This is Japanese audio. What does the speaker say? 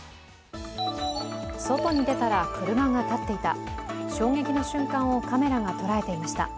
外に出たら車が立っていた衝撃の瞬間をカメラが捉えていました。